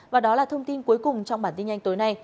và đó là thông tin cuối cùng trong bản tin nhanh tối nay